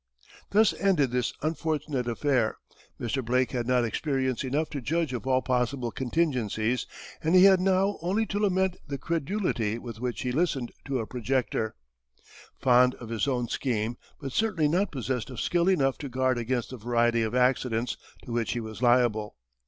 Thus ended this unfortunate affair. Mr. Blake had not experience enough to judge of all possible contingencies, and he had now only to lament the credulity with which he listened to a projector, fond of his own scheme but certainly not possessed of skill enough to guard against the variety of accidents to which he was liable.